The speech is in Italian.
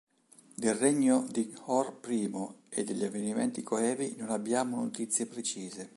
Del regno di Hor I e degli avvenimenti coevi non abbiamo notizie precise.